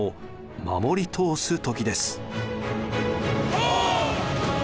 オ！